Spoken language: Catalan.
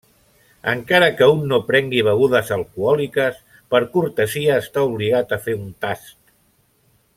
Encara que un no prengui begudes alcohòliques per cortesia està obligat a fer un tast.